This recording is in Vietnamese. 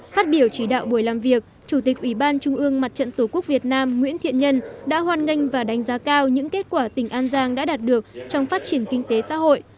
phát biểu chỉ đạo buổi làm việc chủ tịch ủy ban trung ương mặt trận tổ quốc việt nam nguyễn thiện nhân đã hoan nghênh và đánh giá cao những kết quả tỉnh an giang đã đạt được trong phát triển kinh tế xã hội